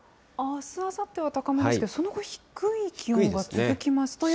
あす、あさっては高めですが、その後、低い気温が続きます。